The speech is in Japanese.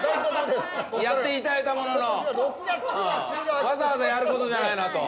やって頂いたもののわざわざやる事じゃないなと。